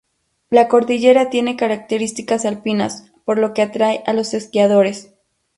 La cordillera tiene características alpinas, por lo que atrae a los esquiadores.